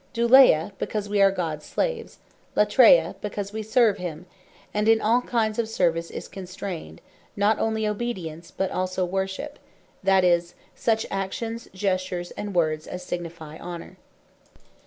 Douleia, because we are Gods Slaves; Latreia, because wee Serve him: and in all kinds of Service is contained, not onely Obedience, but also Worship, that is, such actions, gestures, and words, as signifie Honor.